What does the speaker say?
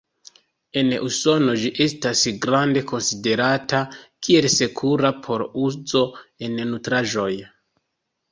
En Usono ĝi estas grande konsiderata kiel sekura por uzo en nutraĵoj.